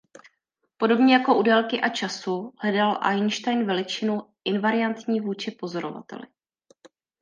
Podobně jako u délky a času hledal Einstein veličinu invariantní vůči pozorovateli.